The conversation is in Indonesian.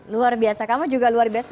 luar biasa kamu juga luar biasa